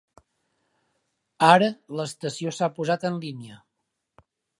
Ara l'estació s'ha posat en línia.